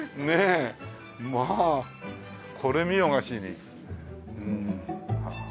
まあこれ見よがしに。